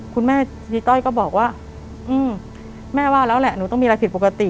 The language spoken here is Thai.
คุณยายีต้อยก็บอกว่าแม่ว่าแล้วแหละหนูต้องมีอะไรผิดปกติ